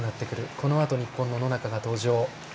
このあと、日本の野中が登場。